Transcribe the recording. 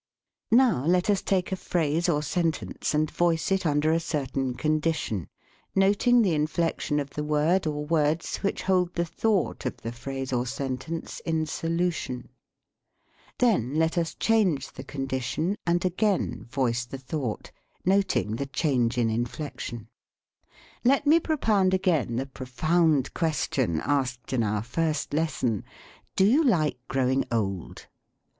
Now let us take a phrase or sentence, and voice it under a certain condition, noting the inflection of the word or words which hold the thought of the phrase or sentence in so lution. Then let us change the condition and again voice the thought, noting the change in inflection. Let me propound again the profound question asked in our first lesson: Do you like growing old